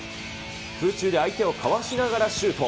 空中で相手をかわしながらシュート。